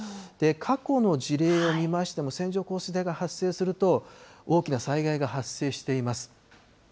過去の事例を見ましても、線状降水帯が発生すると、大きな災害が発生しています。